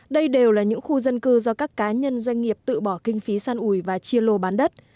đây đều là những khu dân cư do các cá nhân doanh nghiệp tự bỏ kinh phí săn ủi và chia lô bán đất